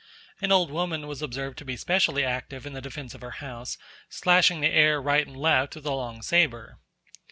An old woman was observed to be specially active in the defence of her house, slashing the air right and left with a long sabre.